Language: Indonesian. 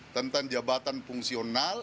tentang jabatan fungsional